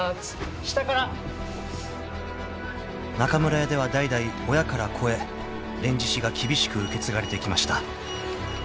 ［中村屋では代々親から子へ『連獅子』が厳しく受け継がれてきました］